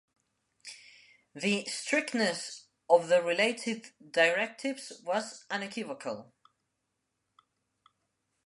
The strictness of the related directives was unequivocal.